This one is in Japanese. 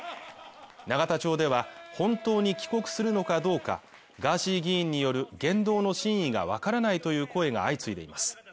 永田町では本当に帰国するのかどうかガーシー議員による言動の真意がわからないという声が相次いでいます。